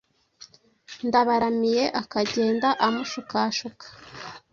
Ndabaramiye akagenda amushukashuka,